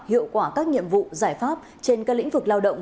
hiệu quả các nhiệm vụ giải pháp trên các lĩnh vực lao động